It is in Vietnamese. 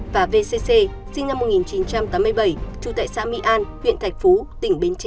và vcc sinh năm một nghìn chín trăm tám mươi bảy trú tại xã mỹ an huyện thạch phú tỉnh bến tre